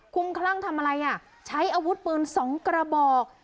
คุ้มคลั่งทำอะไรอ่ะใช้อาวุธปืน๒กระบอก